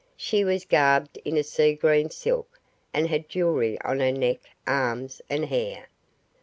She was garbed in a sea green silk, and had jewellery on her neck, arms, and hair.